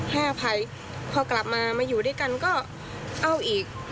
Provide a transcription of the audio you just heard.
ให้อภัยพอกลับมามาอยู่ด้วยกันก็เอาอีก